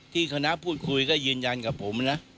ที่คณะพูดคุยก็ยืนยันกับผมนะ